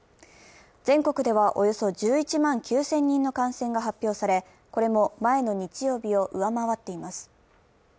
全国ではおよそ１１万９０００人の感染が発表されこれも前の日曜日を上回っています。